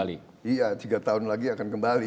iya tiga tahun lagi akan kembali